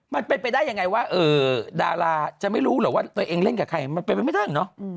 มันเป็นไปได้ยังไงว่าดาราจะไม่รู้หรอกว่าตัวเองเล่นกับใครมันเป็นไปไม่ได้เนอะ